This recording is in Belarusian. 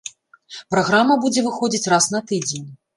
Праграма будзе выходзіць раз на тыдзень.